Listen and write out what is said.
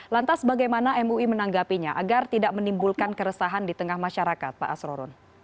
lantas bagaimana mui menanggapinya agar tidak menimbulkan keresahan di tengah masyarakat pak asrorun